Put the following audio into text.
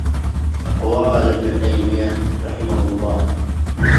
أقوال ابن تيمية رحمه الله:-